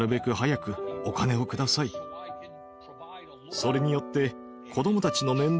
「それによって」。